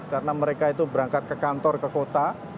karena mereka itu berangkat ke kantor ke kota